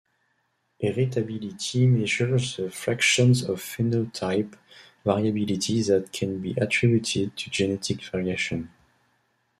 Heritability measures the fraction of phenotype variability that can be attributed to genetic variation.